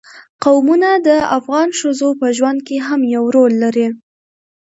قومونه د افغان ښځو په ژوند کې هم یو رول لري.